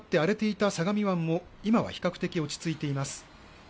白波が立って荒れていた相模湾も今は比較的落ち着いています。